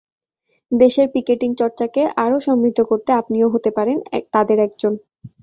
দেশের পিকেটিং চর্চাকে আরও সমৃদ্ধ করতে আপনিও হতে পারেন তাদের একজন।